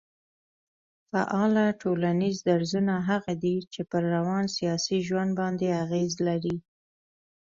فعاله ټولنيز درځونه هغه دي چي پر روان سياسي ژوند باندي اغېز لري